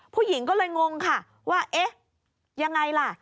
ผู้หญิงก็เลยงงค่ะว่าเอ๊ะยังไงล่ะ